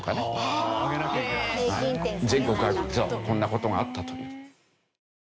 こんな事があったという。